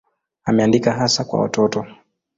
Ameandika hasa kwa watoto.